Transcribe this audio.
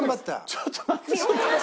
ちょっと待って。